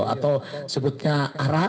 atau disebutnya arak